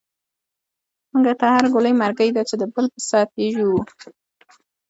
مونږ ته هر گوله مرگۍ دۍ، چی دبل په ست یی ژوو